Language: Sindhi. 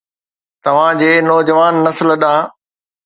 توهان جي نوجوان نسل ڏانهن